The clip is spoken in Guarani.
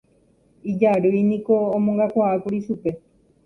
Ijarýiniko omongakuaákuri chupe